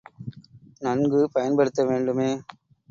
நன்கு பயன்படுத்த வேண்டுமே!